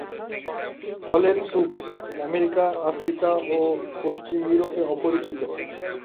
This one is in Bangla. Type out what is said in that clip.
ফলের স্যুপ আমেরিকা, আফ্রিকা ও পশ্চিম ইউরোপে অপরিচিত।